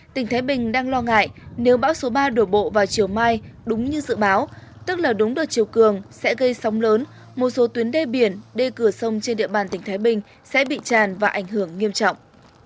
tỉnh thái bình đang lo ngại nếu bão số ba đổ bộ vào chiều mai đúng như dự báo tức là đúng đợt chiều cường sẽ gây sóng lớn một số tuyến đê biển đê cửa sông trên địa bàn tỉnh thái bình sẽ bị tràn và ảnh hưởng nghiêm trọng